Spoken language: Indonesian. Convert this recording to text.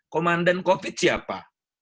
komandan kofit siapa